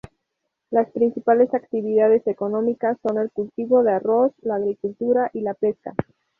Las principales actividades económicas son el cultivo de arroz, la agricultura y la pesca.